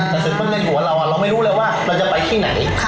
แต่ส่วนคนในหัวเราเราไม่รู้เลยว่าเราจะไปที่ไหน